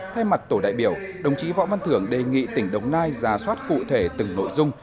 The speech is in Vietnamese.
thay mặt tổ đại biểu đồng chí võ văn thưởng đề nghị tỉnh đồng nai ra soát cụ thể từng nội dung